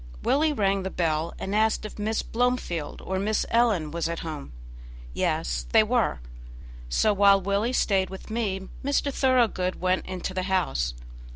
Willie rang the bell, and asked if Miss Blomefield or Miss Ellen was at home. Yes, they were. So, while Willie stayed with me, Mr. Thoroughgood went into the house.